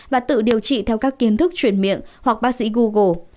và tự điều trị theo các kiến thức chuyển miệng hoặc bác sĩ google